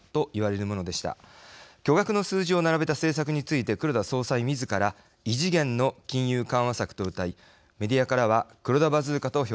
巨額の数字を並べた政策について黒田総裁自ら異次元の金融緩和策とうたいメディアからは黒田バズーカと評されました。